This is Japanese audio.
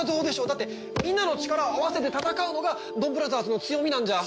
だってみんなの力を合わせて戦うのがドンブラザーズの強みなんじゃ。